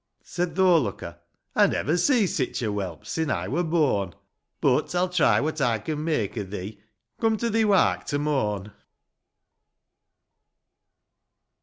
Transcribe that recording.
X. Said th' o'erlooker, "I never see Sich a whelp sin I wur born ! But, I'll try what I can make o' thee : Come to thi wark to morn